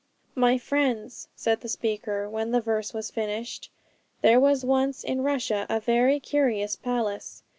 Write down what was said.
My friends,' said the speaker, when the verse was finished, 'there was once in Russia a very curious palace.